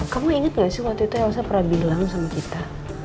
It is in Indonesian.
kamu ingat gak sih waktu itu yang saya pernah bilang sama kita